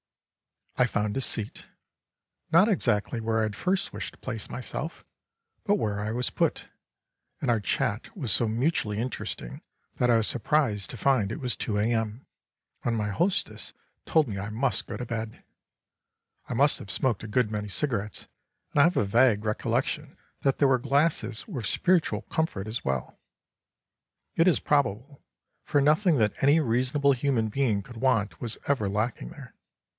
I found a seat not exactly where I had first wished to place myself, but where I was put and our chat was so mutually interesting that I was surprised to find it was 2 A.M. when my hostess told me I must go to bed. I must have smoked a good many cigarettes, and I have a vague recollection that there were glasses with spiritual comfort as well; it is probable, for nothing that any reasonable human being could want was ever lacking there.